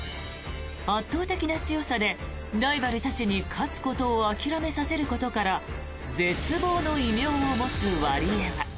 圧倒的な強さでライバルたちに勝つことを諦めさせることから絶望の異名を持つワリエワ。